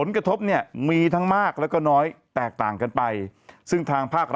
ก็เป็นชุดนอนเขาขาว